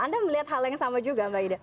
anda melihat hal yang sama juga mbak ida